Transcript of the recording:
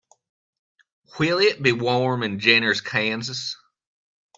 Will it be warm in Jenners Kansas?